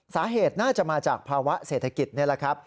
สาเหตุน่าจะมาจากภาวะเศรษฐกิจนี่แหละครับ